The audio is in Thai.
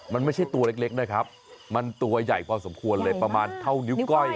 มันไม่ใช่ตัวเล็กนะครับมันตัวใหญ่พอสมควรเลยประมาณเท่านิ้วก้อย